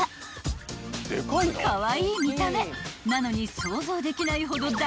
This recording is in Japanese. ［カワイイ見た目なのに想像できないほど］